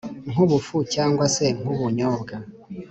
nk’ubufu cyangwa se nk’ubunyobwa